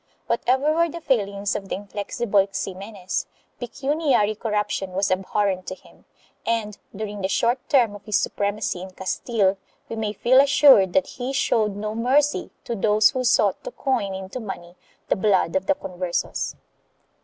Whatever were the failings of the inflexible Ximenes, pecuniary corruption was abhorrent to him and, during the short term of his supremacy in Castile, we may feel assured that he showed no mercy to those who sought to coin into money the blood of the Converses.